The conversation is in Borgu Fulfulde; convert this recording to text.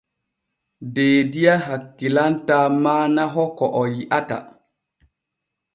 Deediya hakkilantaa maanaho ko o yi’ata.